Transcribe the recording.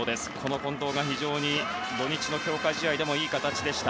近藤が非常に土日の強化試合でもいい形でした。